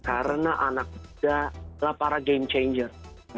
karena anak muda adalah para game changer